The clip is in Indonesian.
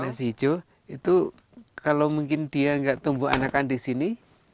nasi hijau itu kalau mungkin dia nggak tumbuh anakan di sini